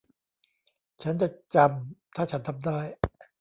ฉันจะจำ ถ้าฉันทำได้